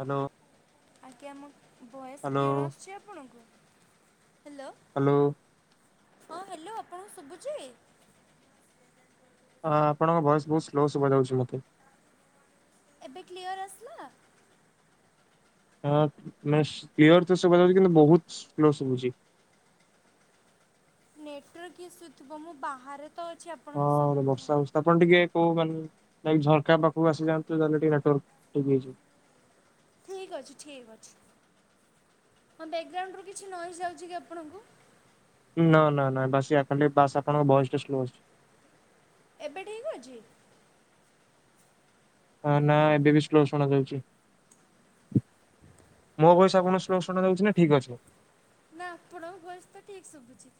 Hello ଆଜ୍ଞା ମୋ voice hello clear ଆସୁଛି ଆପଣଙ୍କୁ? Hello hello. ହଁ ହ୍ୟାଲୋ ଆପଣଙ୍କୁ ଶୁଭୁଛି? ହ ଆପଣଙ୍କ ଭଏସ ବହୁତ ସ୍ଲୋ ଶୁଭ ଯାଉଛି ମତେ। ଏବେ କ୍ଲିଅର ଆସିଲା? ହ ନା କ୍ଲିୟର ତ ଶୁବା ଯାଉଛି କିନ୍ତୁ ବହୁତ ସ୍ଲୋ ଶୁଭୁଛି। [inaudible] ନେଟୱର୍କ ଇସୁ ଥିବ ମୁଁ ବାହାରେ ତ ଅଛି ହଁ ଆପଣଙ୍କ ସହ କଥା ବର୍ଷା ହଉଛି ଆପଣ ଟିକେ କୋଉ ମାନେ ନାଇଁ ଝରକା ପାଖକୁ ଆସି ଯାଆନ୍ତୁ, ଯଦି ଟିକେ ନେଟୱର୍କ ଫୁଲ୍ ହେଇଯିବ। ଠିକ ଅଛି ଠିକ ଅଛି। ହଁ, ବ୍ୟାକଗ୍ରାଉଣ୍ଡ ରୁ କିଛି ନଏଜ ଯାଉଛି କି ଆପଣଙ୍କୁ? ନା ନା ନା ବାସ୍ [unintelligible] ବାସ ଆପଣଙ୍କ ଭଏସ ଟା ସ୍ଲୋ ଆସୁଛି। ଏବେ ଠିକ ଅଛି। ହ ନା ଏବେ ବି ସ୍ଲୋ ଶୁଣା ଯାଉଛି। ମୋ ଭଏସ ଆପଣଙ୍କୁ ଶ୍ଲୋ ଶୁଣା ଯାଉଛି ନା ଠିକ ଅଛି। ନା ଆପଣଙ୍କ ଭଏସ୍ ତ ଠିକ ଶୁଭୁଛି।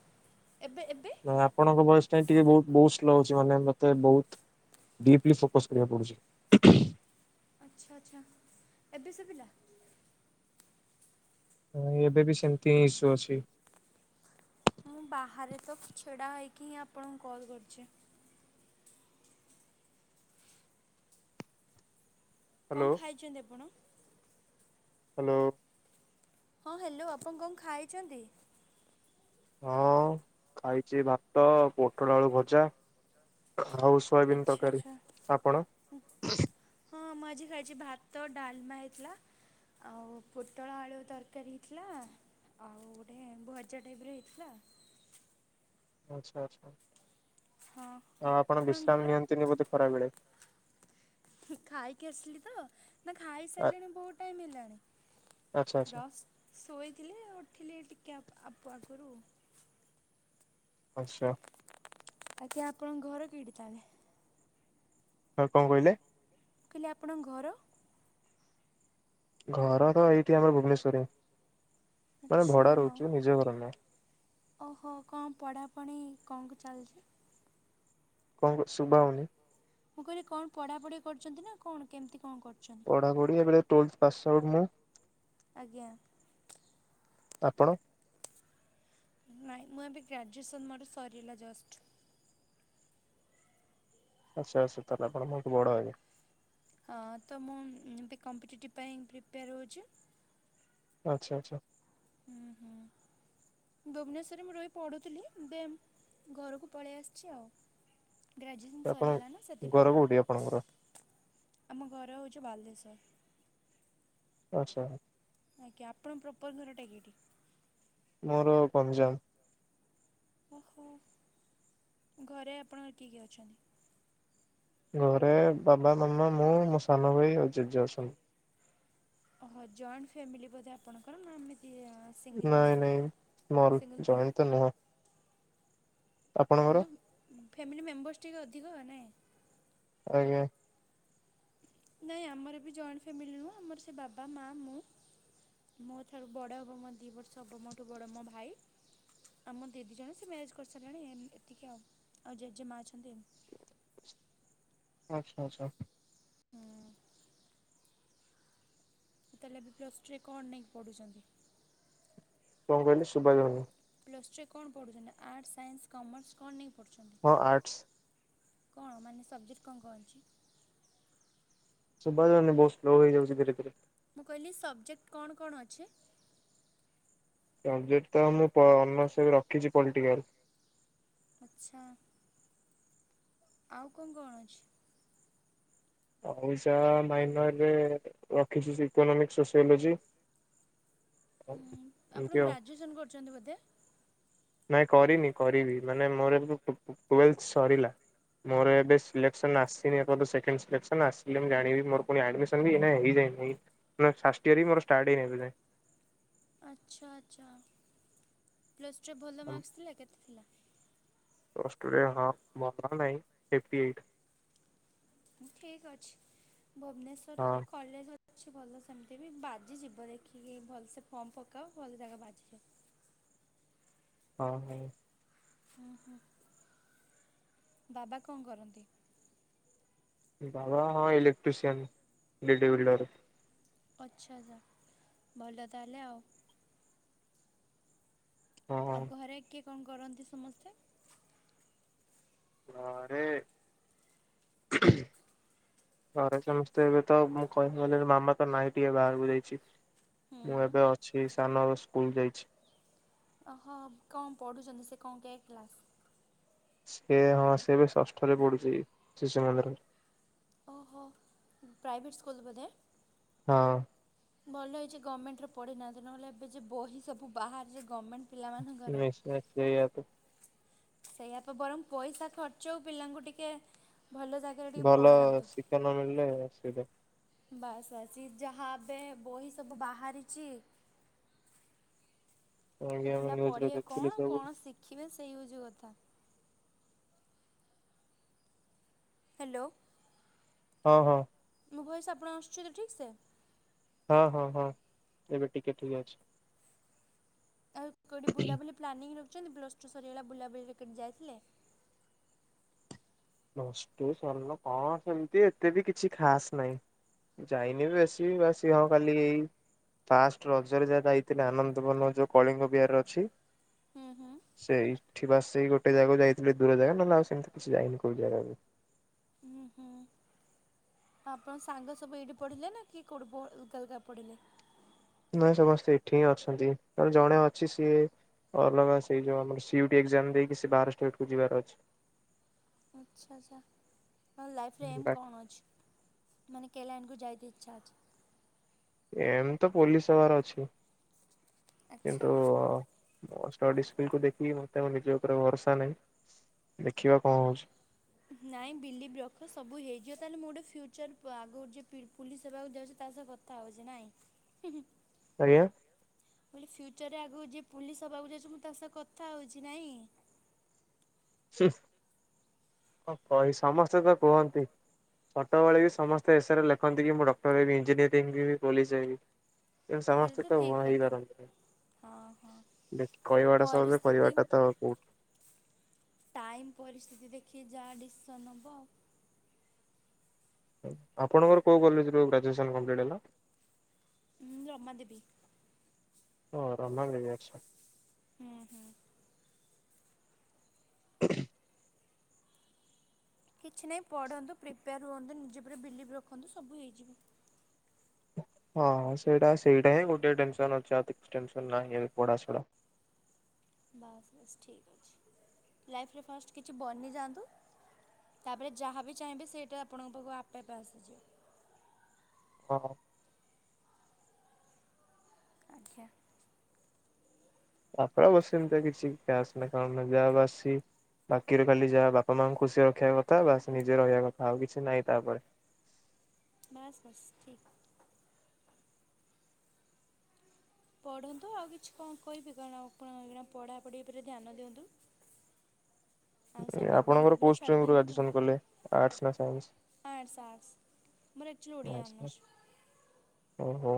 ଏବେ ଏ ନ ଆପଣଙ୍କ ଭଏସ ଟା ଟିକେ ବହୁତ୍ ବହୁତ୍ ସ୍ଲୋ ଅଛି। ମାନେ ମତେ ବହୁତ ଡିପ୍ଲି ଫୋକସ୍ କରିବାକୁ ପଡୁଛି। ଆଚ୍ଛା ଆଚ୍ଛା ଏବେ ସୁଭିଲା? ହଁ, ଏବେ ବି ସେମିତି ହିଁ ଇସ୍ୟୁ ଅଛି। ମୁଁ ବାହାରେ ତ ଛିଡା ହେଇକି ହିଁ ଆପଣଙ୍କୁ କଲ୍ କରୁଛି। ହ୍ୟାଲୋ କଣ ଖାଇଛନ୍ତି ଆପଣ? ହ୍ୟାଲୋ। ହଁ ହ୍ୟାଲୋ ଆପଣ କଣ ଖାଇଛନ୍ତି? ହଁ ଖାଇଛି, ଭାତ ପୋଟଳ ଆଳୁ ଭଜା। ଆଉ ସୋୟାବିନ୍ ଆଚ୍ଛା ତରକାରୀ ଆଚ୍ଛା ଆପଣ? ହଁ ମୁଁ ଆଜି ଖାାଇଛି ଭାତ ଡାଲମା ହେଇଥିଲା। ଆଉ ପୋଟଳ ଆଳୁ ତରକାରୀ ହେଇଥିଲା। ଆଉ ଗୋଟେ ଭଯା ଟାଇପର ହେଇଥିଲା। ଆଛା ଆଚ୍ଛା ଆଉ ହଁ ଆପଣ ଆପଣଙ୍କ ବିଶ୍ରାମ ଘର? ନିଅନ୍ତିନି ବୋଧେ ଖରାବେଳେ? ଖାଇକି ଆସିଲି ତ, ନା ଖାଇ ଆ ସାରିଲିଣି ବହୁତ ଟାଇମ ହେଲାଣି। ଆଚ୍ଛା ଆଚ୍ଛା। ଜଷ୍ଟ୍ ଶୋଇଥିଲି, ଉଠିଲି ଟିକେ ଆପ ଆଗରୁ ଆଚ୍ଛା। ଆଞା ଆପଣଙ୍କ ଘର କିଡି ତାହେଲେ? ହଁ କଣ କହିଲେ? କହିଲି ଆପଣଙ୍କ ଘର? ଘର ତ ଏଇଠି ଆମର ଭୁବନେଶ୍ୱରରେ। ଆଛା ହ ନୁହଁ। ଓହୋ କଣ ପଢାପଢି କଣ? ଚାଲିଛି। କଣ କହୁଚ ସୁଭା ଯାଉନି। ମୁଁ କହିଲି କଣ ପଢା ପଢି କରୁଛନ୍ତି ନା କଣ କେମିତି? କଣ କରୁଛନ୍ତି? ପଢାପଢି ଏବେ ଟ୍ୱେଲ୍ଭ ପାସ୍ ଆଉଟ ମୁଁ। ଆଜ୍ଞା। ଆପଣ? ନାଇ ମୁଁ ଏବେ ଗ୍ରାଜୁଏସନ୍ ମୋର ସରିଲା ଜଷ୍ଟ୍। ଆଚ୍ଛା ଆଚ୍ଛା ତାହେଲେ ଆପଣ ମୋଠୁ ବଡ ହେବେ। ହଁ ତ ମୁଁ ଏବେ କମ୍ପିଟେଟିଭ୍ ପାଇଁ ପ୍ରିପେୟାର ହେଉଛି। ଆଚ୍ଛା ଆଚ୍ଛା। ହୁଁ ହୁଁ। ଭୁବନେଶ୍ୱରରେ ମୁଁ ରହି ପଢ଼ୁଥିଲି ଦେନ ଘରକୁ ପଳେଇ ଆସିଛି ଆଉ। ଗ୍ରାଜୁଏସନ୍ ଆପଣ ସରିଗଲା ନା ଘର ସେଥିପାଇଁ କୋଉଠି ଆପଣଙ୍କର ଆମ ଘର ହେଉଛି ବାଲେଶ୍ୱର [unintelligible] ଆଛା। ଆଜ୍ଞା ଆପଣ ପ୍ରପର ଘର ଟା କି ଏଠି? ମୋର ପଞ୍ଜାବ। ଓହୋ ଘରେ ଆପଣ କିଏ କିଏ ଅଛନ୍ତି? ଘରେ ବାବା ମାମା ମୁଁ ମୋ ସାନ ଭାଇ ଆଉ ଜେଜେ ଅଛନ୍ତି। ଓହୋ ଜଏଣ୍ଟ ଫ୍ୟାମିଲି ବୋଧେ ଆପଣଙ୍କର ନା ସିଙ୍ଗଲ୍ ନାଇଁ ଫ୍ୟାମିଲି? ନାଇଁ ମୋର ସିଙ୍ଗଲ୍ ଫ୍ୟା ଯଏନ୍ଟ୍ ତ ନୁହଁ। ଆପଣଙ୍କର କିନ୍ତୁ ଫ୍ୟାମିଲି ମେମ୍ବର୍ସ ଟିକେ ଅଧିକ ନାଇଁ ଆଞା [unintelligible] ନାଇଁ ଆମର ବି ଜଏଣ୍ଟ ଫ୍ୟାମିଲି ନୁହେଁ ଆମର ସେ ବାବା ମା ମୁଁ ମୋ ଠାରୁ ବଡ଼ ହେବ ମୋ ଦୁଇ ବର୍ଷ ହେବ ମୋଠୁ ବଡ଼ ମୋ ଭାଇ ଆଉ ମୋ ଦିଦି ଜଣେ ସେ ମ୍ୟାରେଜ୍ କରିସାରିଲାଣି ଏତିକି ଆଉ ଆଉ ଜେଜେମା ଅଛନ୍ତି। ଆଚ୍ଛା ଆଚ୍ଛା ତାହେଲେ ଏବେ ପ୍ଲସ୍ ଟୂ ରେ କଣ ନେଇକି ପଢ଼ୁଛନ୍ତି? କଣ କହିଲେ ଶୁଭା ଗଲାନି। ପ୍ଲସ୍ ଟୁରେ କଣ ପଢ଼ୁଛନ୍ତି ଆର୍ଟସ ସାଇନ୍ସ କମର୍ସ କଣ ନେଇକି? ପଢ଼ୁଛନ୍ତି? ହଁ ଆର୍ଟସ। କଣ ମାନେ ସବଜେକ୍ଟ କଣ କଣ ଅଛି? ଶୁଭା ଯାଉନି ବହୁତ ସ୍ଲୋ ହେଇଯାଉଛି ଧୀରେ ଧୀରେ। ମୁଁ କହିଲି ସବଜେକ୍ଟ କଣ କଣ ଅଛି? ସବଜେକ୍ଟ ତ ମୁଁ ପ ଅନର୍ସ ଏବେ ରଖିଛି ପଲିଟିକାଲ। ଆଚ୍ଛା। ଆଉ କଣ କଣ ଅଛି? ଶା ମାଇନରରେ ରଖିଛି ଇକୋନୋମିକ୍ ସୋସିଓଲୋଜି। ଆପଣ ଏମିତି ଆଉ ଗ୍ରାଜୁଏସନ କରୁଛନ୍ତି ବୋଧେ? ନାଇଁ କରିନି କରିବି ମାନେ ମୋର ଟୁଏଲ୍ଭ ସରିଲା ମୋର ଏବେ ସିଲେକ୍ସନ୍ ଆସିନି ଏ ପର୍ଯ୍ୟନ୍ତ ସେକେଣ୍ଡ ସିଲେକ୍ସନ୍। ଆସିଲେ ମୁଁ ଜାଣିବି ମୋର ପୁଣି ଆଡମିସନ ବି ହେଇଯାଇନିଁ ଫାଷ୍ଟଇୟର ବି ମୋର ଷ୍ଟାର୍ଟ ହେଇନି ଏବେ ଯାଇଁ [inaudible] ଆଚ୍ଛା ଆଚ୍ଛା ପ୍ଲସ୍ଟୁରେ ଭଲ ଯାଏଁ। ମାର୍କ୍ସ ଥିଲା କେତେ ଥିଲା? ଅଷ୍ଟ୍ରେଲିଆ ହ ମ ନାଇ ଏପ ଏଇଟ [unintelligible] ଠିକ ଅଛି ଭୁବନେଶ୍ଵରରେ ହଁ କଲେଜ ଅଛି ଭଲ ସେମିତି ବି ବାଜି ଯିବ ଦେଖିକି ଭଲସେ ଫମ୍ ପକଅ ଭଲ ଯାଗା ବାଜିଯିବ। [inaudible] ହଁ ହ। ହୁଁ ହୁଁ ବାବା କଣ କରନ୍ତି? ବାବା ହଁ ଇଲେକ୍ଟ୍ରିସିିୟନ ଲିଡି ବିଲ୍ଡର। ଆଚ୍ଛା ଭଲ ତାହାଲେ ଆଉ। ହଁ ଆଉ ହଁ। ଘରେ କିଏ କଣ କରନ୍ତି ସମସ୍ତେ? ଘରେ ଘରେ ସମସ୍ତେ ଏବେ ତ ମୁଁ କହିବି ମାମା ତ ନାଇଁ ଟିକେ ବାହାରକୁ ଯାଇଛି। ମୁଁ ହୁଁ ଏବେ ଅଛି ସାନ ଏବେ ସ୍କୁଲ ଯାଇଛି। ଓହୋ କଣ ପଢୁଛନ୍ତି ସେ କଣ କେ କ୍ଲାସ? ସେ ହଁ ସେ ଏବେ ଷଷ୍ଠରେ ପଡୁଛି ଶିଶୁ ମନ୍ଦିରରେ। ଓହୋ ପ୍ରାଇଭେଟ ସ୍କୁଲ ବୋଧେ। ହଁ। ଭଲ ହେଇଛି ଗମେଣ୍ଟରେ ପଢିନାହାନ୍ତି ନହେଲେ ଏବେ ଯଉ ବହି ସବୁ ବାହାରିଛି ଗମେଣ୍ଟ ନିଶ୍ଚୟ ସେଇଆ ତ। ସେଇଆପା ବରଂ ପଇସା ଖର୍ଚ୍ଚ ଆଉ ପିଲାଙ୍କୁ ଟିକେ ଭଲ ଜାଗାରେ ଟିକେ ଭଲ ପଢାନ୍ତୁ ଶିକ୍ଷା ନ ମିଳିଲେ ଅସୁବିଧା। ବାସ୍ ବାସ ଏ ଯାହା ଏବେ ବହି ସବୁ ବାହାରିଛି। କାହିଁକି ସେ ଆମେ ପିଲା ନ୍ୟୁଜରେ ପଢିବେ ଦେଖୁଥିଲୁ କଣ ସବୁ କଣ ଶିଖିବେ ସେଇଆ ହଉଚି କଥା। ହାଲୋ। ହଁ ହଁ। ମୋ ଭଏସ ଆପଣ କୁ ଆସୁଛି ତ ଠିକସେ? ହଁ ହଁ ହଁ ଏବେ ଟିକେ ଠିକେ ଅଛି। ଆଉ କଉଠି ବୁଲା ବୁଲି ପଲାନିଙ୍ଗ ଯେମିତି ପ୍ଲୁସ ଟୁ ସରିଗଲା ବୁଲାବୁଲିରେ କୁଆଡେ ଯାଇଥିଲେ? ପ୍ଲୁସ ଟୁ ସରିଲେ କଣ ସେମିତି ଏତେ ବି କିଛି ଖାସ ନାହିଁ। ଯାଇନି ବି ବେଶୀ ଆସି ହଁ ଖାଲି ଏଇ ଫାଷ୍ଟ ରଜରେ ଯାହା ଯାଇଥିଲେ ଆନନ୍ଦବର୍ଣ ଯୋଉ କଳିଙ୍ଗ ବିହାରରେ ଅଛି। ହୁଁ ହୁଁ ସେଇଠି ବା ସେ ଗୋଟେ ଜାଗା କୁ ଯାଇଥିଲୁ ଦୂର ଜାଗା ନହେଲେ ଆଉ ସେମିତି କିଛି ଯାଇନି। କଉ ଜାଗା କୁ? ହୁଁ ହୁଁ। ଆପଣ ସାଙ୍ଗ ସବୁ ଏଇଠି ପଢ଼ିଲେ ନା କିଏ କୋଉଢ଼ି ବ ଅଲଗା ଅଲଗା ପଢ଼ିଲେ? ନାଇଁ ସମସ୍ତେ ଏଠି ହିଁ ଅଛନ୍ତି। ଜଣେ ଅଛି ସିଏ ଅଲଗା ସେଇ ଯୋଉ ଆମର ସି ଉ ଡି ଏକ୍ଜାମ ଦେଇକି ସେ ବାହାର ଷ୍ଟେଟ କୁ ଯିବାର ଅଛି। ଆଚ୍ଛା ଆଚ୍ଛା ତମ ଲାଇଫରେ ଏମ ବାକି କଣ ଅଛି? ମାନେ କେ ଲାଇନ କୁ ଯାଇତେ ଇଚ୍ଛା ଅଛି। ଏମ ତ ପୋଲିସ ହବା ର ଅଛି। ଅଛି କିନ୍ତୁ ଆଚ୍ଛା ମ ଷ୍ଟଡି ସ୍କିଲ କୁ ଦେଖି ନିଜ ଉପରେ ଭରସା ନାହିଁ। ଦେଖିବା କଣ ହଉଚି। ନାଇଁ ବିଲିଭ ରଖ ସବୁ ହେଇଯିବ। ତାହେଲେ ମୁଁ ଗୋଟେ ଫ୍ୟୁଚର ଆଗ କୁ ଯିବି ପୋଲିସ ହେବାକୁ ଯାଉଚି ତା ସହ କଥା ହଉଛି ନାଇଁ। ଆଜ୍ଞା। ମୁଁ କହିଲି ଫ୍ୟୁଚରରେ ଆଗକୁ ଯିଏ ପୋଲିସ ହବାକୁ ଯାଉଛି ମୁଁ ତା ସହ କଥା ହଉଛି ନାଇଁ। ହୁଁ କହି ସମସ୍ତେ ତ କୁହନ୍ତି। ଛୋଟବେଳେ ବି ସମସ୍ତେ ଏସେରେ ଲେଖନ୍ତି କି ମୁଁ ଡକ୍ଟର ହେବି ଇଞ୍ଜିନିୟରିଂ ପୋଲିସ ହେବି। ଏ ତାହେଲେ ସମସ୍ତେ ତ ଠିକ୍ ହୁଅ କଥା ଇପାରନ୍ତିନି। ହଁ ହଁ ଦେଖି କହିବାଟା ସହଜ ପରିସ୍ଥିତି କରିବାଟା ତ କୋଉଠି ଟାଇମ୍ ପରିସ୍ଥିତି ଦେଖି ଯାହା ଡିସିସନ୍ ନବ ଆଉ। ଆପଣଙ୍କର କୋଉ କଲେଜରୁ ଗ୍ରାଜୁଏସନ କମ୍ପ୍ଲିଟ ହେଲା? ରମା ଦେବୀ। ଓ ରମା ଦେବି ଆଛା। ହୁଁ ହୁଁ। [inaudible] କିଛି ନାହିଁ ପଢ଼ନ୍ତୁ ପ୍ରିପେୟାର ହୁଅନ୍ତୁ ନିଜ ଉପରେ ବିଲିଭ ରଖନ୍ତୁ ସବୁ ହେଇଯିବ। ହଁଁ ସେଇଟା ସେଇଟା ହିଁ ଗୋଟେ ଟେନସନ ଅଛି ଆଉ ତି କିଛି ଟେନସନ ନାହିଁ ଏବେ ପଢାସଇଲା। [inaudible] ବାସ୍ ବାସ୍ ଠିକ୍ ଅଛି। ଲାଇଫରେ ଫାଷ୍ଟ କିଛି ବନି ଯାଆନ୍ତୁ ତାପରେ ଯାହାବି ଚାହିଁବେ ସେଇଟା ଆପଣଙ୍କ ପାଖକୁ ଆପେ ଆପେ ଆସିଯିବ। ହଁ ହଁ। ଆଜ୍ଞା। ତାପରେ ବସି ଏମିତି କିଛି। [unintelligible] ବାକିରୁ କାଲି ଯାହା ବାପା ମାଙ୍କୁ ଖୁସିରେ ରଖିବା କଥା ବାସ ନିଜେ ରହିବା କଥା ଆଉ କିଛି ନାହିଁ ତାପରେ। ବାସ୍ ବାସ୍ ଠିକ୍। ପଢନ୍ତୁ ଆଉ କିଛି କଣ କହିବି, କାରଣ ଆପଣ ଏଇନା ପଢା ପଢି ଉପରେ ଧ୍ୟାନ ଦିଅନ୍ତୁ। [inaudible] ସବୁ ଭଗବାନଙ୍କ ଆପଣଙ୍କର ଉପରେ କୋଉ ଛାଡ଼ି ଷ୍ଟ୍ରଙ୍ଗ ରୁ ଦିଅନ୍ତୁ ଆଉ ଗ୍ରାଜୁଏସନ୍ କଲେ? ଆର୍ଟ୍ସ ନାଁ ସାଇନ୍ସ। ଆର୍ଟ୍ସ ଆର୍ଟ୍ସ ମୋର ଆକଚୁଆଲି ଓଡ଼ିଆ ଆଚ୍ଛା। ଅନର୍ସ। ଓହୋ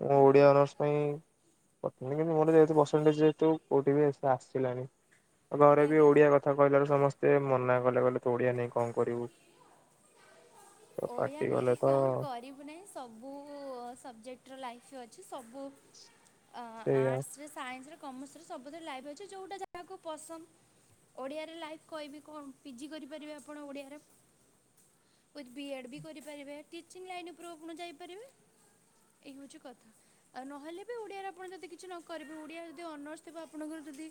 ମୁଁ ହୁଁ ଓଡିଆ ଅନର୍ସ ପାଇଁ କିନ୍ତୁ ମୋର ଯେହେତୁ ପରସେଣ୍ଟଜ୍ ଯେହେତୁ କୋଉଠି ବି ଆସିଲାନି। ଆମ ଘରେ ଆଜ୍ଞା ବି ଆଜ୍ଞା। ଓଡିଆ କହିଲାରୁ ସମସ୍ତେ ମନା କଲେ। କହିଲେ ତୁ ଓଡିଆ ନେଇକି କଣ କରିବୁ? ତ ଓଡ଼ିଆ ପାଟି କଲେ ନେଇକି ତ କଣ କରିବୁ ନାହିଁ ସବୁ ସବଜେକ୍ଟର ଲାଇଫ୍ ଅ ସବୁ ଆ ସେଇଆ ଆର୍ଟ୍ସ ରେ ସାଇନ୍ସ ରେ କମର୍ସରେ ସବୁଥିରେ ଲାଇଫ୍ ଅଛି। ଯୋଉଟା ଯାହାକୁ ପସନ୍ଦ ଓଡିଆରେ ଲାଇଫ୍ କହିବି କଣ ପିଜି କରିପାରିବେ ଆପଣ ଓଡିଆରେ। ଉଇଥ ବିଏଡ଼୍ ବି କରିପାରିବେ। ଟିଚିଂ ଲାଇନ୍ ଉପରେ ଆପଣ ଯାଇପାରିବେ। ଏଇ ହଉଛି କଥା। ନହେଲେ ବି ଓଡିଆରେ ଆପଣ ଯଦି କିଛି ନ କରିବେ ଓଡିଆ ଯଦି ଅନର୍ସ ଥିବ ଆପଣଙ୍କର ଯଦି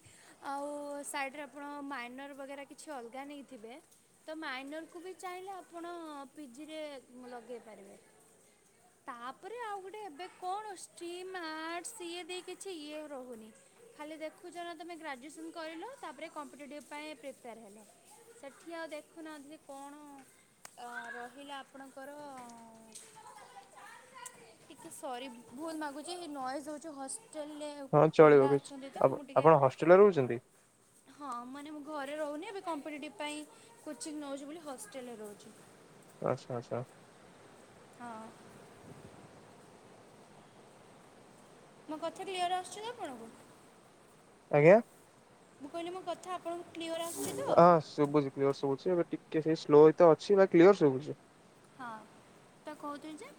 ଆଉ ସାଇଡି ରେ ଆପଣ ମାଇନର ପ୍ରକାର କିଛି ଅଲ୍ଗା ନେଇଥିବ ତ ମାଇନର୍ ଙ୍କୁ ବି ଚାହିଁଲେ ଆପଣ ପିଜିରେ ଲଗେଇ ପାରିବେ। ତାପରେ ଆଉ ଗୋଟେ ଏବେ କଣ ଷ୍ଟ୍ରିମ୍, ଆର୍ଟ୍ସ ଇଏ ଦେଇ କିଛି ଇଏ ରହୁନି। ଖାଲି ଦେଖୁଚ ନା ତମେ ଗ୍ରାଜୁଏସନ୍ କରିଲ। ତାପରେ କମ୍ପିଟେଟିଭ ପାଇଁ ପ୍ରିପାର ହେଲ। ସେଠି ଆଉ ଦେଖୁନାହାନ୍ତି କଣ ରହି ଥିଲା ଆପଣଙ୍କର ଟିକେ ସରି ଭୁଲ୍ ମାଗୁଛି ନଏଜେ ଦୋଉଛି ଘଶ୍ ହଁ ଚଳିବ କିଚି ଆପ ଟିକେ ଆପଣ ହଷ୍ଟେଲ୍ ରେ ରୋହୁଛନ୍ତି? ହଁ ମାନେ ମୁଁ ଘରେ ରହୁନି ଏବେ କମ୍ପିଟେଟିପ ପାଇଁ କୋଚିଂ ନୋଉଚି ବୋଲି ହଷ୍ଟେଲରେ ରୋହୁଚି। ଆଛା ଆଛା ହଁ ମୋ କଥା କ୍ଲିୟର ଆସୁଛି ନା ଆପଣଙ୍କୁ? ଆଜ୍ଞା। ମୁଁ କହିଲି ମୋ କଥା ଆପଣଙ୍କୁ କ୍ଲିୟର ଆସୁଚିତ। ସେ ସ୍ଲୋ ଏତ ଅଛି ବା କ୍ଲିୟର ଶୁଭୁଛି। ହଁ ତ କହୁଥିଲି ଯେ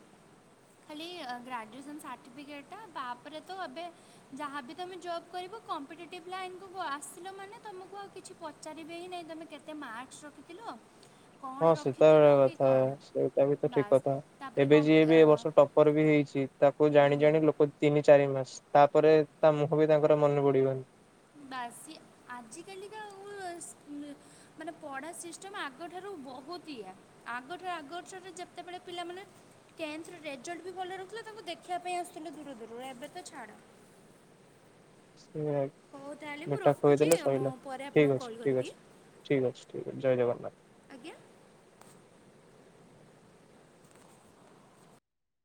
ଖାଲି ଗ୍ରାଜୁଏସନ୍ ସାଠୀ ପିକେଟ୍ ଟା ତା ପରେ ତ ଏଵେ ଯାହା ବି ତମେ ଜବ୍ କରିବ କମ୍ପିଟେଟିଭ୍ ଲାଇନ୍ କୁ ଆସିଲ ମାନେ ତମକୁ ଆଉ କିଛି ପଚାରିବେ ହିଁ ନାହିଁ ତମେ କେତେ ମାର୍କ ରଖିଥିଲ? ହଁ କ'ଣ ସୀତା ଗୋଟେ ରଖିଥିଲ କି କଥା। କ'ଣ ସେଇଟା ବି ତ ଠିକ୍ ବାସ୍ କଥା। ତା'ପରେ ଏବେ ଜିଏ କମ୍ପ ବି ଅ, ଏ ବର୍ଷ ଟପର୍ ବି ହେଇଛି ତାକୁ ଜାଣି ହୁଁ, ଜାଣି ଲୋକ ତିନି ଚାରି ମାସ ତାପରେ ତା ମୁହଁ ବି ତାଙ୍କର ମନେ ପଡିବନି। ବାସି ଆଜି କାଲି କା ଆଉ ମାନେ ପଢ଼ା ସିଷ୍ଟମ୍ ଆଗଠାରୁ ବହୁତ ଇଏ ଆଗଠାରୁ ଆଗଠାରେ ଯେତେବେଳେ ପିଲାମାନେ ଟେନ୍ଥରେ ରେଜଲ୍ଟ ବି ଭଲ ରହୁଥିଲା ତାଙ୍କୁ ଦେଖିବା ପାଇଁ ଆସୁଥୁଲେ ଦୁର ଦୁର ରୁ ଏବେ ତ ଛାଡ। ତାହେଲେ [unintelligible] ମୁଁ ମିଠା ରଖୁଛି ଖୋଇଦେଲେ ମୁଁ ସଇଲା। ପରେ ଠିକ୍ ଆପଣଙ୍କୁ ଅଛି, କଲ୍ ଠିକ୍ କରିବି ଅଛି, ଠିକ୍ ଅଛି, ଠିକ୍ ଅଛି ଜୟ ଜଗନ୍ନାଥ। ଆଜ୍ଞା